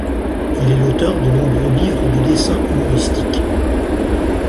Il est l'auteur de nombreux livres de dessins humoristiques.